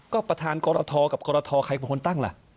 ก็ประธานกรทกับกรทใครเป็นคนตั้งล่ะ